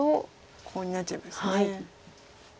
コウになっちゃいます。